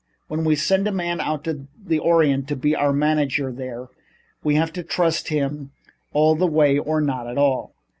When we send a man out to the Orient to be our manager there, we have to trust him all the way or not at all.